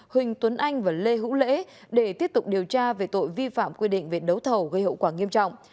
huỳnh tuấn anh và lê hữu lễ để tiếp tục điều tra về tội vi phạm quy định về đấu thầu gây hậu quả nghiêm trọng